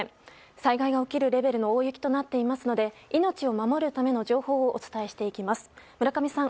災害が起きるレべルの大雪となっていますので命を守るための情報をお伝えしていきます。